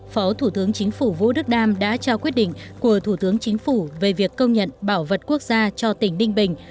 phó thủ tướng chính phủ vũ đức đam đã trao quyết định của thủ tướng chính phủ về việc công nhận bảo vật quốc gia cho tỉnh ninh bình